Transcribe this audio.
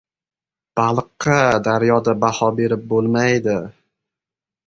• Baliqqa daryoda baho berib bo‘lmaydi.